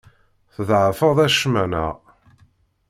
Tḍeɛfeḍ acemma, neɣ?